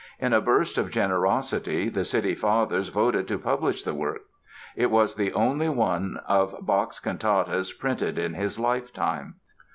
In a burst of generosity the city fathers voted to publish the work. It was the only one of Bach's cantatas printed in his lifetime.